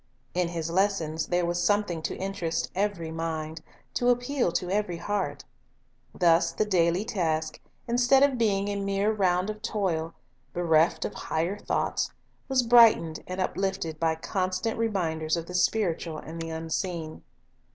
In His lessons there was something to interest every mind, to appeal to ever) heart. Thus the daily task, instead of being a mere round of toil, bereft of higher thoughts, was brightened and uplifted by constant reminders of the spiritual and the unseen.